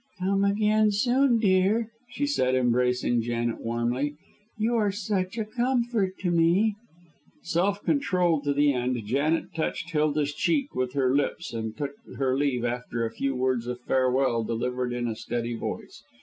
"Come again soon, dear," she said, embracing Janet warmly. "You are such a comfort to me." Self controlled to the end, Janet touched Hilda's cheek with her lips, and took her leave after a few words of farewell delivered in a steady voice.